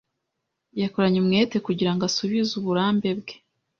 Yakoranye umwete kugirango asubize uburambe bwe.